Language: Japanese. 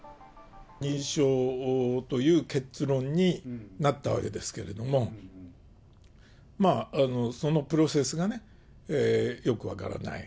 認証という結論になったわけですけれども、そのプロセスがね、よく分からない。